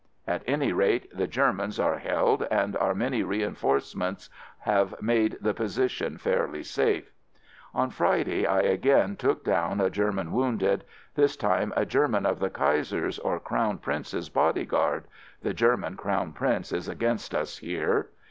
At any rate, the Germans are held and our many reinforcements have made the posi tion fairly safe. On Friday I again took down a German wounded — this time a German of the Kaiser's or Crown Prince's Bodyguard (the German Crown Prince is against us here).